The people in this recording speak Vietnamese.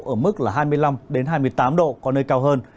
ở mức là hai mươi năm hai mươi tám độ có nơi cao hơn